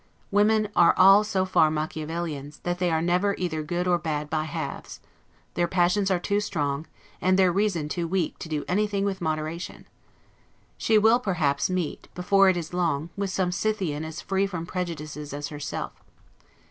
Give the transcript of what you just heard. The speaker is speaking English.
Women are all so far Machiavelians, that they are never either good or bad by halves; their passions are too strong, and their reason too weak, to do anything with moderation. She will, perhaps, meet, before it is long, with some Scythian as free from prejudices as herself.